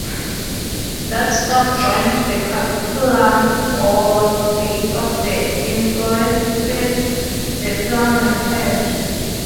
That stalk joins the capitulum or base of the inflorescence - the flowering head.